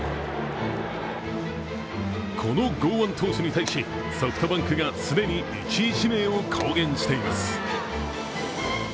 この剛腕投手に対しソフトバンクが既に１位指名を公言しています。